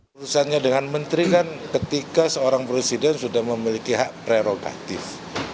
urusannya dengan menteri kan ketika seorang presiden sudah memiliki hak prerogatif